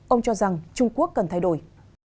ông cho rằng trung quốc cần thay đổi